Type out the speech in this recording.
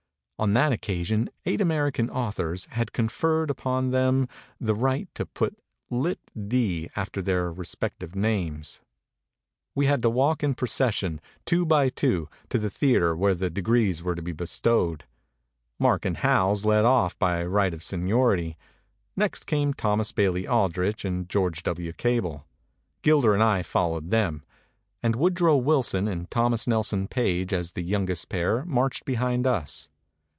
On that occasion eight American au thors had conferred upon them the right to put Litt.D. after their respective names. \\V to walk in procession, two by two, to the theater where the degrees were to be bestowed. Mark and Howells led off by right of seniority; next came Thomas Bailey Aid rich and George \V. !'!( r and I followed them; and Wood row Wilson and Thomas Nelson Page as the youngest pair ma relied behind us.